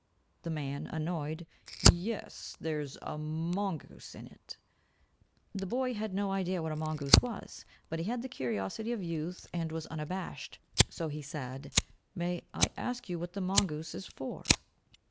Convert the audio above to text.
The man, annoyed, "Ye es, there's a m mongoose in it." The boy had no idea what a mongoose was, but he had the curiosity of youth and was unabashed, so he said, "May I ask what the mongoose is for?"